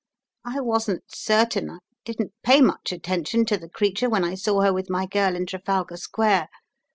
I wasn't certain, I didn't pay much attention to the creature when I saw her with my girl in Trafalgar Square.